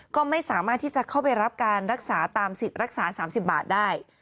ก็ไม่สามารถที่จะเข้าไปรับการรักษาตามสิทธิ์รักษา๓๐บาทได้